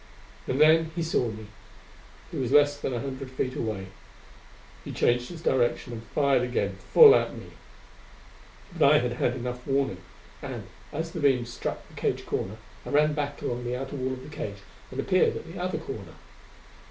And then he saw me. He was less than a hundred feet away. He changed his direction and fired again, full at me. But I had had enough warning, and, as the beam struck the cage corner, I ran back along the outer wall of the cage and appeared at the other corner.